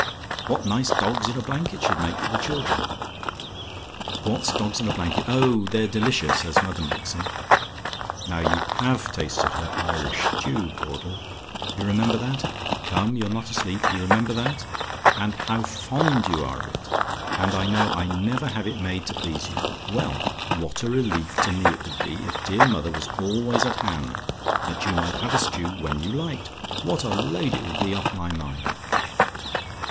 What nice dogs in a blanket she'd make for the children! "WHAT'S DOGS IN A BLANKET? "Oh, they're delicious as dear mother makes 'em. "Now, you HAVE tasted her Irish stew, Caudle? You remember that? Come, you're not asleep you remember that? And how fond you are of it! And I know I never have it made to please you! Well, what a relief to me it would be if dear mother was always at hand, that you might have a stew when you liked. What a load it would be off my mind.